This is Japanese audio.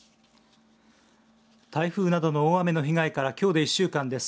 台風などの大雨の被害からきょうで１週間です。